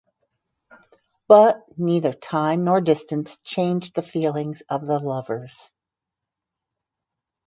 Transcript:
But neither time nor distance changed the feelings of the lovers.